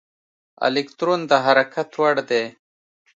الکترون د حرکت وړ دی.